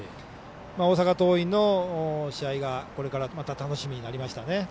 大阪桐蔭の試合がこれからまた楽しみになりました。